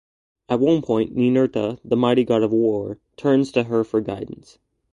At one point, Ninurta, the mighty god of war, turns to her for guidance.